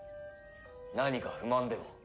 何か不満でも？